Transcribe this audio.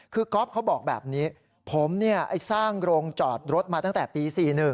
คือก๊อฟเขาบอกแบบนี้ผมสร้างโรงจอดรถมาตั้งแต่ปี๔๑